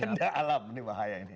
benda alam ini bahaya ini